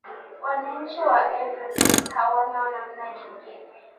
wananchi wa ivory coast hawana namna nyingine